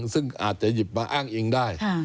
ซึ่งอาจจะหยิบมาอ้างอิงได้